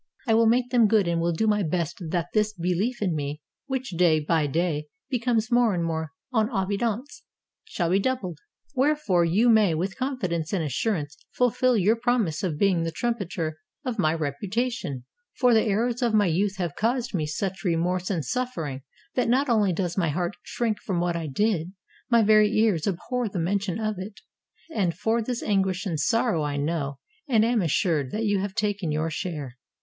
I will make them good and will do my best that this belief in me, which day by day be comes more and more en evidence, shall be doubled. Wherefore you may with confidence and assurance fulfill your promise of being the trumpeter of my reputation. 402 LETTER OF A ROMAN UNIVERSITY STUDENT For the errors of my youth have caused me so much remorse and suffering, that not only does my heart shrink from what I did, my very ears abhor the mention of it. And for this anguish and sorrow I know and am assured that you have taken your share.